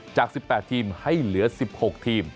จาก๑๘ทีมให้เหลือ๑๖ทีม